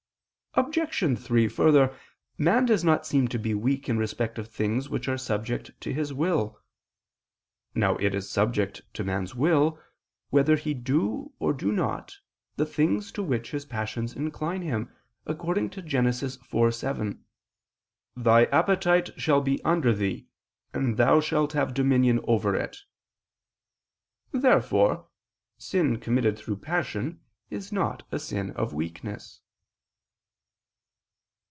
Obj. 3: Further, man does not seem to be weak in respect of things which are subject to his will. Now it is subject to man's will, whether he do or do not the things to which his passions incline him, according to Gen. 4:7: "Thy appetite shall be under thee [*Vulg.: 'The lust thereof shall be under thee.'], and thou shalt have dominion over it." Therefore sin committed through passion is not a sin of weakness.